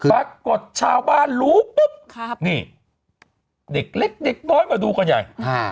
ปรากฏชาวบ้านรู้ปุ๊บนี่เด็กเล็กเด็กน้อยมาดูกันใหญ่